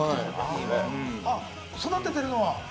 育ててるのは？